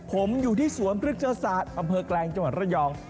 ผมอยู่ที่สวนพฤกษศาสตร์อำเภอแกลงจังหวัดระยอง